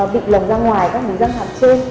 bị lồng ra ngoài các mũi răng hàm trên